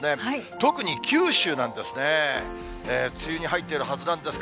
特に九州なんですね。